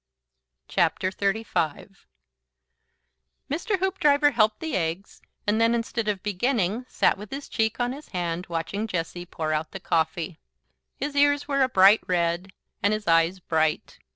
XXXV. Mr. Hoopdriver helped the eggs and then, instead of beginning, sat with his cheek on his hand, watching Jessie pour out the coffee. His ears were a bright red, and his eyes bright.